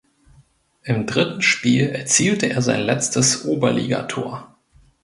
Im dritten Spiel erzielte er sein letztes Oberligator.